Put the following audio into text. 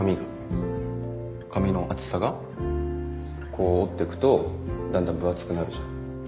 こう折ってくとだんだん分厚くなるじゃん。